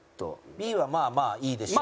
Ｂはまあまあいいでしょう。